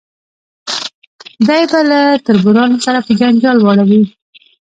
دی به له تربورانو سره په جنجال واړوي.